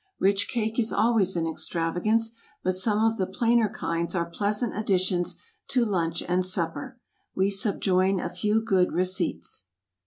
Rich cake is always an extravagance, but some of the plainer kinds are pleasant additions to lunch and supper; we subjoin a few good receipts.